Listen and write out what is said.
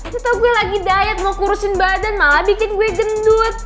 setelah gue lagi diet mau kurusin badan malah bikin gue gendut